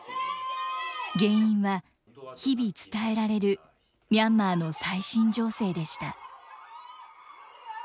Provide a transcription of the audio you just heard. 原因は、日々伝えられるミャンマーの最新情勢でした。